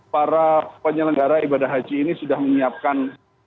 para penyelenggara ibadah haji ini sudah menyiapkan